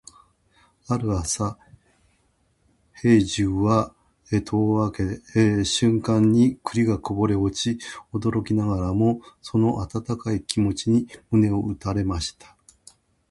ある朝、兵十は戸を開けた瞬間に栗がこぼれ落ち、驚きながらもその温かい気持ちに胸を打たれました。